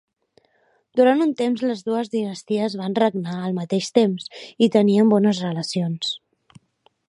Durant un temps les dues dinasties van regnar al mateix temps i tenien bones relacions.